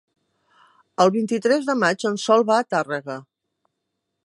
El vint-i-tres de maig en Sol va a Tàrrega.